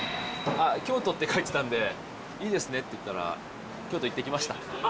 あっ京都って書いてたんでいいですねって言ったら京都行ってきました